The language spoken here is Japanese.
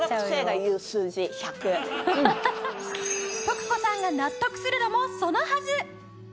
徳子さんが納得するのもそのはず。